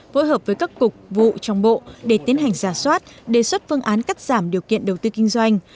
phối hợp với các cục vụ trong bộ để tiến hành giả soát đề xuất phương án cắt giảm điều kiện đầu tư kinh doanh